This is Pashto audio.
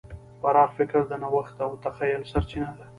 پراخ فکر د نوښت او تخیل سرچینه ده.